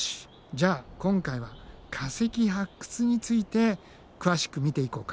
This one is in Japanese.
じゃあ今回は化石発掘について詳しく見ていこうか。